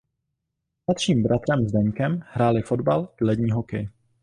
S mladším bratrem Zdeňkem hráli fotbal i lední hokej.